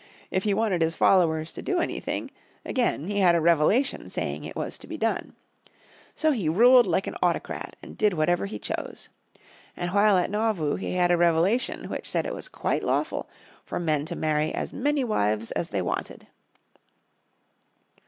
If he wanted his followers to do anything, again he had a revelation saying it was to be done. So he ruled like an autocrat and did whatever he chose. And while at Nauvoo he had a revelation which said it was quite lawful for men to marry as many wives as they wanted.